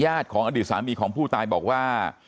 ของอดีตสามีของผู้ตายบอกว่า